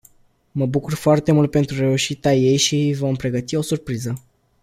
Mă bucur foarte mult pentru reușita ei și îi vom pregăti o surpriză.